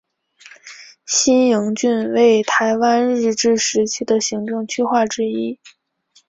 新营郡为台湾日治时期的行政区划之一。